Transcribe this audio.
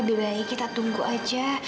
lebih baik kita tunggu aja